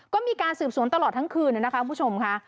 ก็มีการสืบสวนตลอดทั้งคืนนะคะคุณผู้ชมค่ะ